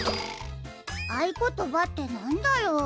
あいことばってなんだろう？